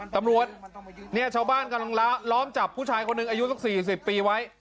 ตำรวจเนี่ยชาวบ้านกำลังล้อมจับผู้ชายคนหนึ่งอายุสัก๔๐ปีไว้